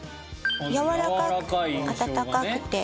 やわらかく温かくて。